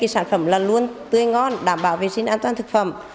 sản phẩm là luôn tươi ngon đảm bảo vệ sinh an toàn thực phẩm